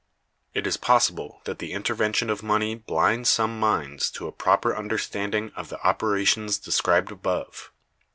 It is possible that the intervention of money blinds some minds to a proper understanding of the operations described above.